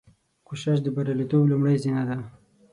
کوشش د بریالیتوب لومړۍ زینه ده.